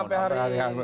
sampai hari ini